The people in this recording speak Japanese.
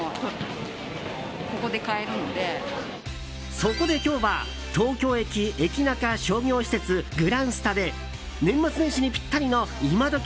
そこで今日は東京駅エキナカ商業施設グランスタで年末年始にピッタリのイマドキ